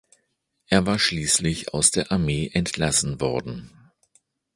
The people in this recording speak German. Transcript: Er war schließlich aus der Armee entlassen worden.